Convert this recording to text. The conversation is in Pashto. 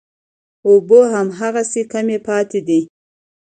اوبه هماغسې کمې پاتې دي.